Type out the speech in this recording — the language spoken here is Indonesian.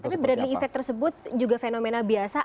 tapi braille effect tersebut juga fenomena biasa